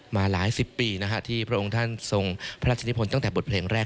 มาหลายสิบปีที่พระองค์ท่านทรงพระราชนิพลตั้งแต่บทเพลงแรก